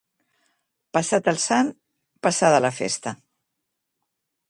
Passat el sant, passada la festa.